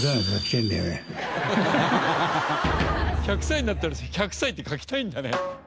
１００歳になったら１００歳って書きたいんだね。